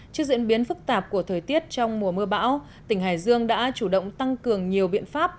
trước diễn biến phức tạp của thời tiết trong mùa mưa bão tỉnh hải dương đã chủ động tăng cường nhiều biện pháp